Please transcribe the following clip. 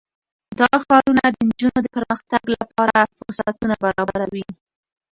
دا ښارونه د نجونو د پرمختګ لپاره فرصتونه برابروي.